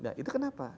nah itu kenapa